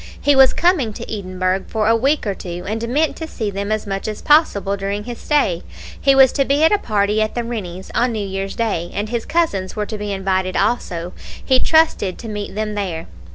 He was coming to Edinburgh for a week or two, and meant to see them as much as possible during his stay. He was to be at a party at the Rennies' on New Year's Day, and his cousins were to be invited also; he trusted to meet them there.